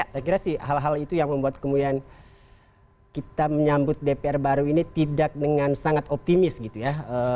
saya kira sih hal hal itu yang membuat kemudian kita menyambut dpr baru ini tidak dengan sangat optimis gitu ya